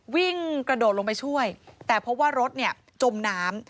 วิ่งกระโดดลงไปช่วยแต่เพราะว่ารถเนี่ยจมน้ำ